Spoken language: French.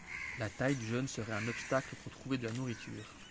La taille du jeune serait un obstacle pour trouver de la nourriture.